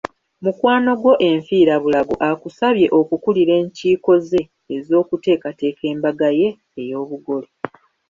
Mukwano gwo enfiirabulago akusabye okukulira enkiiko ze ez’okuteekateeka embaga ye ey’obugole.